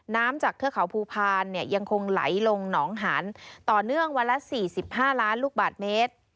น้ำจากเทือกเขาภูพาลเนี่ยยังคงไหลลงหนองหันต่อเนื่องวันละ๔๕ล้านลูกบาทเมตร